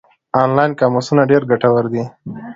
آنلاین قاموسونه ډېر ګټور دي.